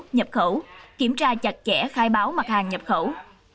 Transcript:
nhập khẩu kiểm tra chặt chẽ khai báo mặt hàng nhập khẩu